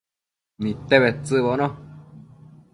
Nidte bedtsëcbono